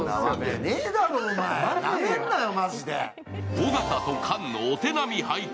尾形と菅のお手並み拝見。